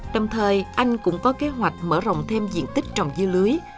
đồng thời anh cũng có kế hoạch mở rộng thêm diện tích trồng dưa lưới